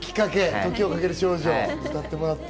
『時をかける少女』か。